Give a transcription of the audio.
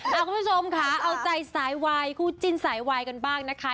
คุณผู้ชมค่ะเอาใจสายวายคู่จิ้นสายวายกันบ้างนะคะ